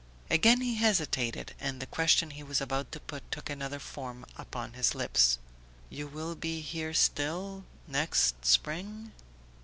." Again he hesitated, and the question he was about to put took another form upon his lips. "You will be here still...next spring?"